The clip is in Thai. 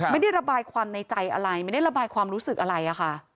ไม่ได้ระบายความในใจอะไรไม่ได้ระบายความรู้สึกอะไรอะค่ะ